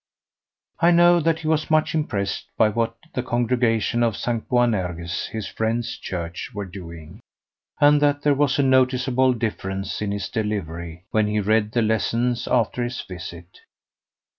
I know that he was much impressed by what the congregation of St. Boanerges his friend's church were doing, and that there was a noticeable difference in his delivery when he read the lessons after his visit.